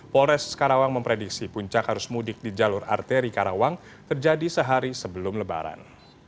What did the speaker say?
polres karawang memprediksi puncak arus mudik di jalur arteri karawang terjadi sehari sebelum lebaran